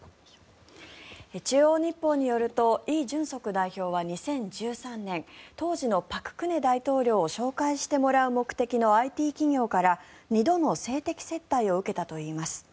中央日報によるとイ・ジュンソク代表は２０１３年当時の朴槿惠大統領を紹介してもらう目的のＩＴ企業から２度の性的接待を受けたといいます。